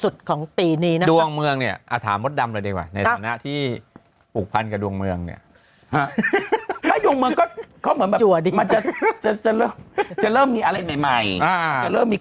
ตอนนี้คือแอ่งจี้